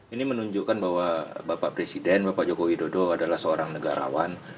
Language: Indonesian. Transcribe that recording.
ini menunjukkan bahwa bapak presiden bapak joko widodo adalah seorang negarawan